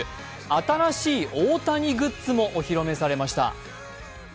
新しい大谷グッズもお披露目されました。